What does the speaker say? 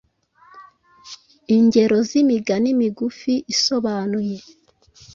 Ingero z’imigani migufi isobanuye: